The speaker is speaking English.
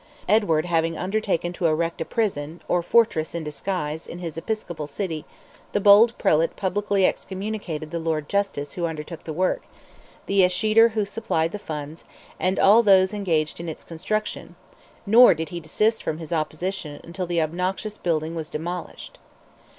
Edward having undertaken to erect a prison—or fortress in disguise—in his episcopal city, the bold Prelate publicly excommunicated the Lord Justice who undertook the work, the escheator who supplied the funds, and all those engaged in its construction, nor did he desist from his opposition until the obnoxious building was demolished.